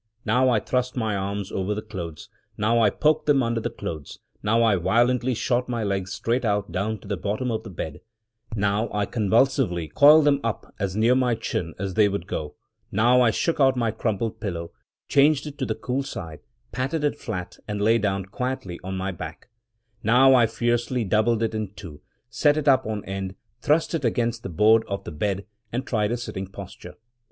Now I thrust my arms over the clothes; now I poked them under the clothes; now I violently shot my legs straight out down to the bottom of the bed; now I convulsively coiled them up as near my chin as they would go; now I shook out my crumpled pillow, changed it to the cool side, patted it flat, and lay down quietly on my back; now I fiercely doubled it in two, set it up on end, thrust it against the board of the bed, and tried a sitting posture.